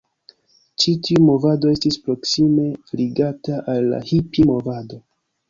Ĉi tiu movado estis proksime ligata al la Hipi-movado.